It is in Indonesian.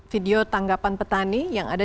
video tanggapan petani yang ada